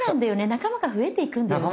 仲間が増えていくんだよね。